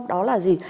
đó là gì